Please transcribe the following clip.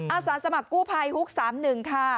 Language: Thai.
อาสาสมัครกู้ภัยฮุก๓๑ค่ะ